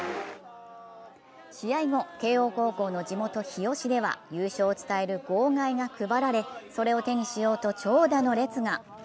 試合後、慶応高校の地元・日吉では優勝を伝える号外が配られ、それを手にしようと長蛇の列が。